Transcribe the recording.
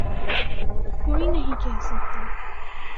کوئی نہیں کہہ سکتا۔